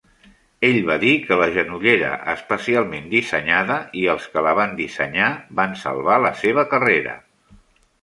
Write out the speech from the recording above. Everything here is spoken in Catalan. Ell va dir que la genollera especialment dissenyada i els que la van dissenyar van "salvar la seva carrera".